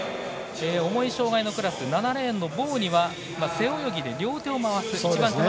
重い障がいのクラス７レーンのボーニは背泳ぎで両手を回す。